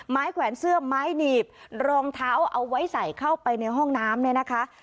แขวนเสื้อไม้หนีบรองเท้าเอาไว้ใส่เข้าไปในห้องน้ำเนี่ยนะคะ